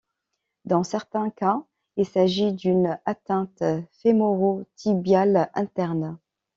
Dans certains cas, il s'agit d'une atteinte fémoro-tibiale interne.